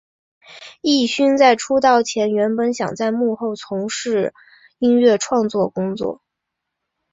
镒勋在出道前原本想在幕后从事音乐创作工作。